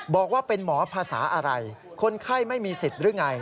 บอกว่าเป็นหมอภาษาอะไรคนไข้ไม่มีสิทธิ์หรือไง